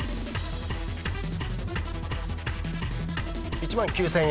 １万９，０００円。